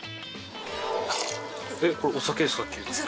えっこれお酒ですか？